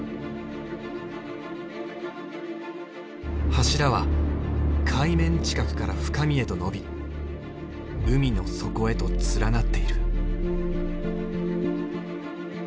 柱は海面近くから深みへと伸び海の底へと連なっている。